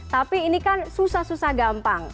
tapi ini kan susah susah gampang